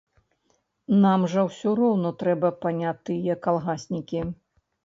Нам жа ўсё роўна трэба панятыя калгаснікі.